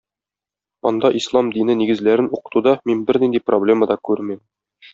Анда ислам дине нигезләрен укытуда мин бернинди проблема да күрмим.